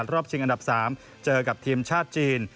ชิงอันดับ๓เจอกับทีมชาติจีน